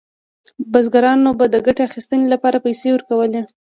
بزګرانو به د ګټې اخیستنې لپاره پیسې ورکولې.